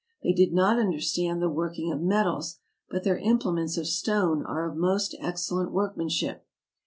They did not understand the working of metals, but their implements of stone are of most excellent workmanship.